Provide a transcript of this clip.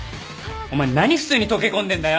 お前何普通に溶け込んでんだよ！